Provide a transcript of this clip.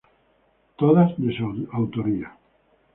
Todas de su autoría.